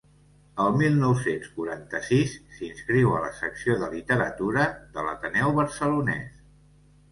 El mil nou-cents quaranta-sis s'inscriu a la Secció de Literatura de l'Ateneu Barcelonès.